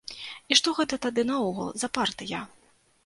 І што гэта тады наогул за партыя?